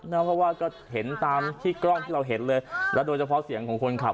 เพราะว่าก็เห็นตามที่กล้องที่เราเห็นเลยแล้วโดยเฉพาะเสียงของคนขับ